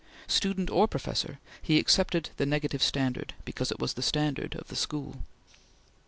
Student or professor, he accepted the negative standard because it was the standard of the school.